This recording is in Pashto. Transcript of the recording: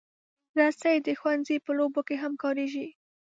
رسۍ د ښوونځي په لوبو کې هم کارېږي.